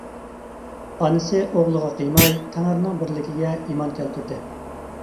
ئانىسى ئوغلىغا قىيماي، تەڭرىنىڭ بىرلىكىگە ئىمان كەلتۈردى.